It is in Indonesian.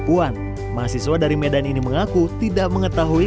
puan mahasiswa dari medan ini mengaku tidak mengetahui